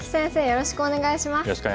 よろしくお願いします。